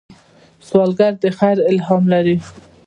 سوالګر د خیر الهام لري